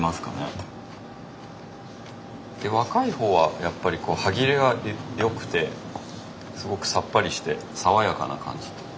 若いほうはやっぱり歯切れがよくてすごくさっぱりして爽やかな感じ。